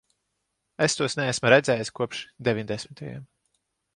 Es tos neesmu redzējis kopš deviņdesmitajiem.